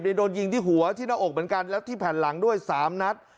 โดนยิงที่หัวที่หน้าอกเหมือนกันและที่แผ่นหลังด้วย๓นัด